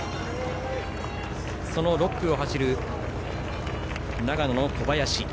６区を走る、長野の小林。